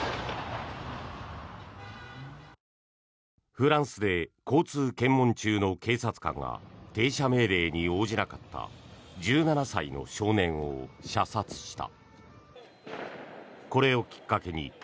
フランスで交通検問中の警察官が停車命令に応じなかった１７歳の少年を射殺した。